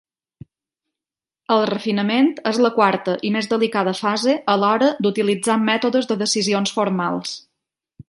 El refinament és la quarta i més delicada fase a l'hora d'utilitzar mètodes de decisions formals.